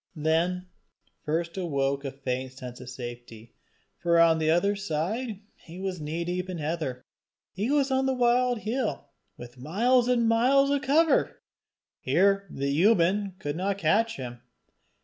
Then first awoke a faint sense of safety; for on the other side he was knee deep in heather. He was on the wild hill, with miles on miles of cover! Here the unman could not catch him.